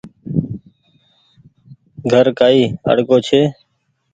گھر ڪآئي اڙگو ڇي ۔